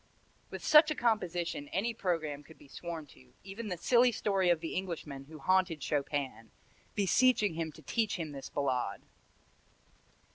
With such a composition any programme could be sworn to, even the silly story of the Englishman who haunted Chopin, beseeching him to teach him this Ballade.